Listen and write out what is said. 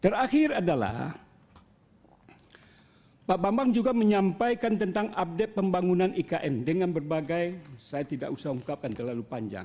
terakhir adalah pak bambang juga menyampaikan tentang update pembangunan ikn dengan berbagai saya tidak usah ungkapkan terlalu panjang